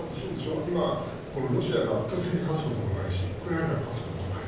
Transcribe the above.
今、ロシアが圧倒的に勝つこともないしウクライナが勝つこともない。